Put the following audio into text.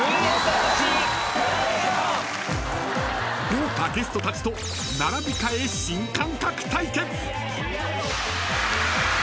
［豪華ゲストたちと並び替え新感覚対決］